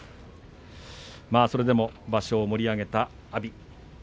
それでも場所を盛り上げた阿炎です。